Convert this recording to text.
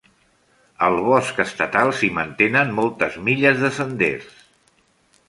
Al Bosc Estatal s'hi mantenen moltes milles de senders.